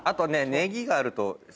ネギがあると最高。